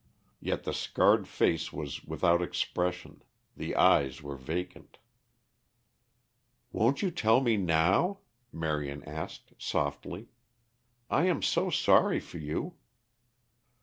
Yet the scarred face was without expression; the eyes were vacant. "Won't you tell me now?" Marion asked softly. "I am so sorry for you?"